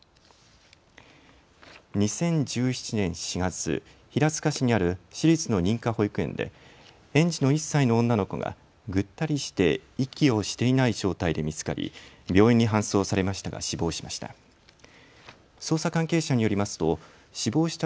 ２０１７年４月、平塚市にある私立の認可保育園で園児の１歳の女の子がぐったりして息をしていない状態で見つかり病院に搬送されましたが死亡しました。